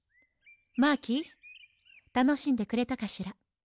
マーキーたのしんでくれたかしら。